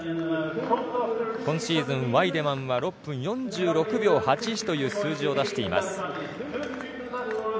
今シーズン、ワイデマンは６分４６秒８１という数字を出しています。